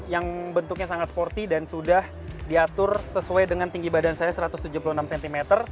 yang bentuknya sangat sporty dan sudah diatur sesuai dengan tinggi badan saya satu ratus tujuh puluh enam cm